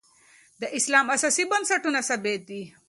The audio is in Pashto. د اسلام اساس او بنسټونه ثابت دي.